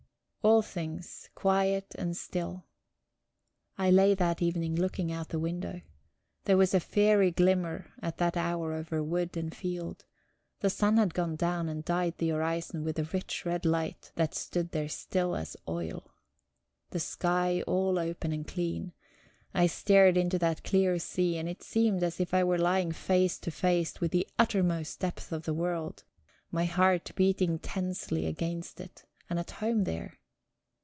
All things quiet and still. I lay that evening looking out the window. There was a fairy glimmer at that hour over wood and field; the sun had gone down, and dyed the horizon with a rich red light that stood there still as oil. The sky all open and clean; I stared into that clear sea, and it seemed as if I were lying face to face with the uttermost depth of the world; my heart beating tensely against it, and at home there.